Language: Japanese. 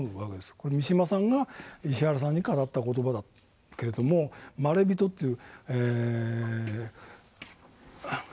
これ三島さんが石原さんに語った言葉だけれども「まれびと」っていう。